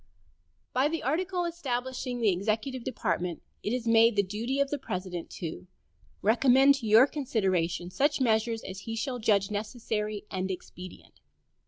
By the article establishing the executive department it is made the duty of the President "to recommend to your consideration such measures as he shall judge necessary and expedient."